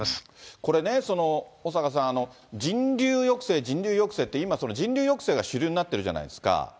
これね、小坂さん、人流抑制、人流抑制って今、その人流抑制が主流になってるじゃないですか。